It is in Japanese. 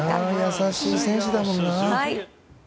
優しい選手だもんな。